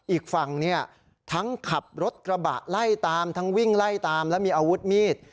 อีกฝั่งเนี่ยทั้งขับรถกระบะไล่ตามทั้งวิ่งไล่ตามและมีอาวุธมีด